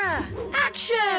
アクション！